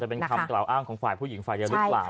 แต่เป็นคำกล่าวอ้างของฝ่ายผู้หญิงฝ่ายเดียวหรือเปล่า